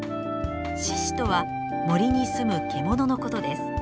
「しし」とは森にすむ獣のことです。